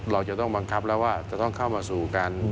เราจะต้องบังคับแล้วว่าจะต้องเข้ามาสู่การ